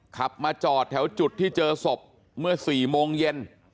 ขับมาจอดแถวจุดที่เจอศพเมื่อ๔โมงเย็น